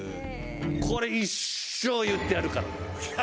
これ一生言ってやるからな。